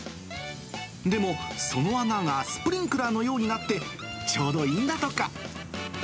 でも、その穴がスプリンクラーのようになって、ちょうどいいんだとか。